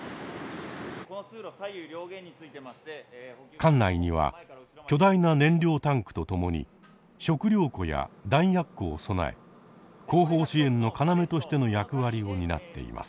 艦内には巨大な燃料タンクと共に食料庫や弾薬庫を備え後方支援の要としての役割を担っています。